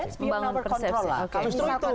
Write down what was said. itu perubahan prosesnya oke